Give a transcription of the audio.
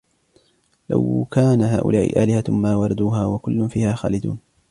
لَوْ كَانَ هَؤُلَاءِ آلِهَةً مَا وَرَدُوهَا وَكُلٌّ فِيهَا خَالِدُونَ